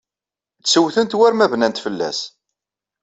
Ttewtent war ma bnant fell-as.